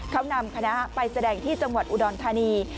เขานำคณะไปแสดงที่จังหวัดอุดรธานี